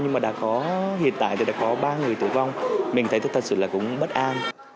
nhưng mà hiện tại thì đã có ba người tử vong mình thấy thật sự là cũng bất an